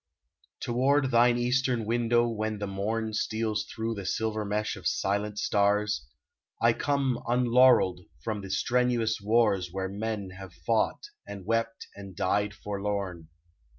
TOWARD thine Eastern window when the morn Steals through the silver mesh of silent stars, I come unlaurelled from the strenuous wars Where men have fought and wept and died forlorn.